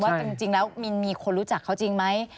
จริงแล้วมินมีคนรู้จักเขาจริงไหม